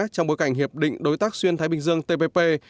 trong bối cảnh hiệp định đối tác xuyên thái bình dương tpp